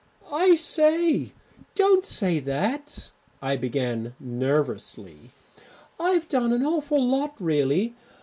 "I say, don't say that," I began nervously, "I've done an awful lot, really.